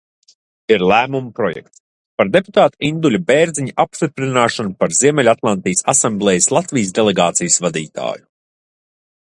"Ir lēmuma projekts "Par deputāta Induļa Bērziņa apstiprināšanu par Ziemeļatlantijas asamblejas Latvijas delegācijas vadītāju"."